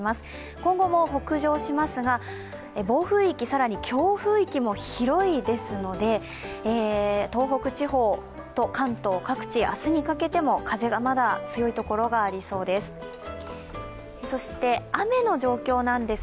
今後も北上しますが、暴風域、更に強風域も広いですので東北地方と関東各地、明日にかけても風がまだ強いところがありそうです。